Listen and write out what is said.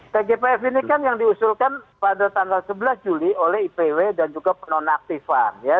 tgpf ini kan yang diusulkan pada tanggal sebelas juli oleh ipw dan juga penonaktifan ya